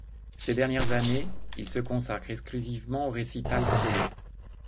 Ces dernières années, il se consacre exclusivement au récital solo.